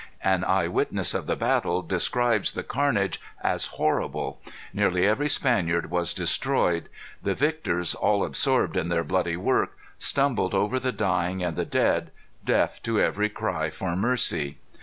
An eye witness of the battle describes the carnage as horrible. Nearly every Spaniard was destroyed. The victors, all absorbed in their bloody work, stumbled over the dying and the dead, deaf to every cry for mercy.